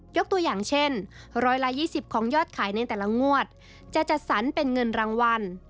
ยกตัวอย่างเช่น๑๒๐ของยอดขายในแต่ละงวดจะจัดสรรเป็นเงินรางวัล